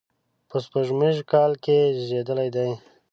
په سپوږمیز کال کې زیږېدلی دی.